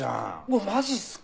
うわマジっすか。